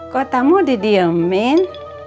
kok kamu didiemin